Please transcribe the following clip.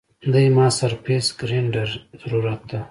دې ما سرفېس ګرېنډر ضرورت ده